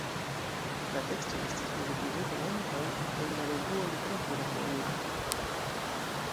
La tekstoj estis publikigitaj ankaŭ en la revuo Literatura Foiro.